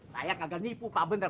saya kagak nipu pak benar